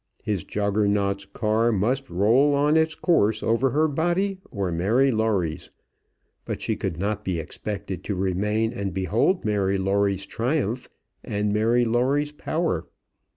His Juggernaut's car must roll on its course over her body or Mary Lawrie's. But she could not be expected to remain and behold Mary Lawrie's triumph and Mary Lawrie's power.